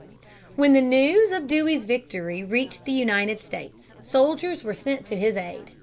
When the news of Dewey's victory (p. 390) reached the United States, soldiers were sent to his aid.